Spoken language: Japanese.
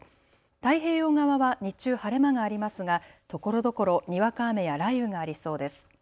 太平洋側は日中晴れ間がありますがところどころにわか雨や雷雨がありそうです。